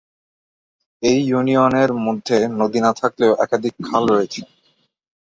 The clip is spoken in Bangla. এই ইউনিয়নের মধ্যে নদী না থাকলেও একাধিক খাল রয়েছে।